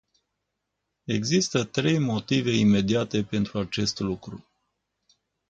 Există trei motive imediate pentru acest lucru.